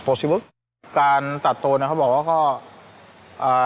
ตอนนี้เรามีพวกมันเกี่ยวกับพวกเราแต่เรามีพวกมันเกี่ยวกับพวกเราแต่เราไม่มีพวกมันเกี่ยวกับพวกเรา